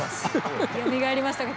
よみがえりましたか？